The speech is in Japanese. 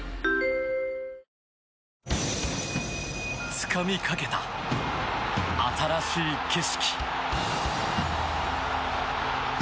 つかみかけた新しい景色。